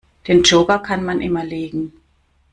Den Joker kann man immer legen.